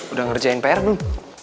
udah ngerjain pr belum